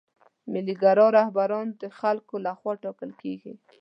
ملي ګرا رهبران د خلکو له خوا ټاکل کیږي.